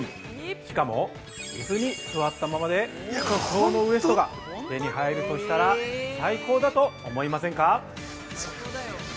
しかも、椅子に座ったままで理想のウエストが手に入るとしたら最高だと思いませんか？